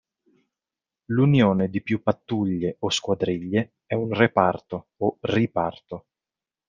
L'unione di più pattuglie o squadriglie è un "Reparto" o "Riparto".